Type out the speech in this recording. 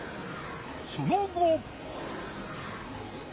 その後。